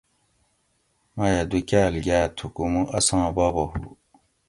میہ دو کال گاۤ تھوکو مو اساں بابہ ہو